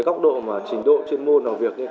góc độ trình độ chuyên môn